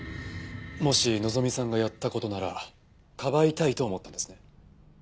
もし希美さんがやった事なら庇いたいと思ったんですね。